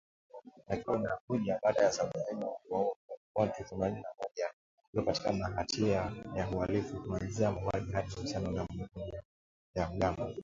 Lakini inakuja baada ya Saudi Arabia kuwaua watu themanini na mmoja waliopatikana na hatia ya uhalifu, kuanzia mauaji hadi uhusiano na makundi ya wanamgambo